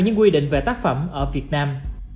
những quy định về tác phẩm ở việt nam